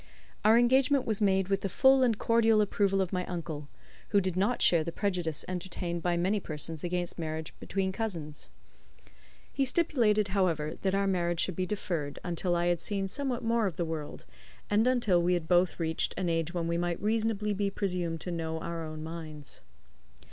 Our engagement was made with the full and cordial approval of my uncle, who did not share the prejudice entertained by many persons against marriages between cousins. He stipulated, however, that our marriage should be deferred until I had seen somewhat more of the world, and until we had both reached an age when we might reasonably be presumed to know our own minds.